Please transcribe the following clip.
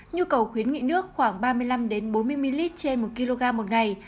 nhu cầu khuyến nghị nước khoảng ba mươi năm bốn mươi ml trên một kg một ngày